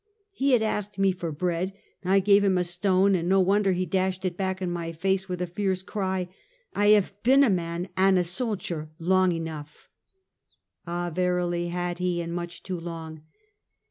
" He had asked me for bread ; I gave him a stone, and no wonder he dashed it back in my face. With a fierce cry he said: " I hev been a man and a sojer long enough! " Ah! verily had he, and much too long.